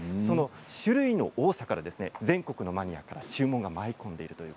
種類の多さから全国のめだかマニアから注文が舞い込んでいます。